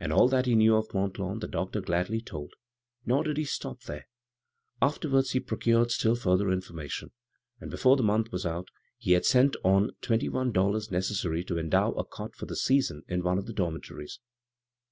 All that he knew of Mont Lawn the doctor gladly told, nor did he stop there. After wards he procured still further information ; and before the month was out he had sent on the twenty one dollars necessary to endow a cot for the season in one of the dormitories.